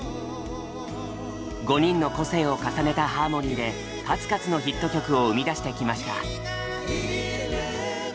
５人の個性を重ねたハーモニーで数々のヒット曲を生み出してきました。